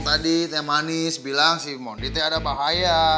tadi temanis bilang si mondi ada bahaya